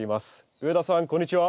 上田さんこんにちは。